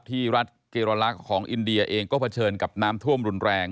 ที่รัฐเกราลักษณ์ของอินเดียเองก็เผชิญกับน้ำท่วมรุนแรง